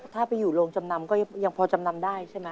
ถ้าไปอยู่โรงจำนำก็ยังพอจำนำได้ใช่ไหม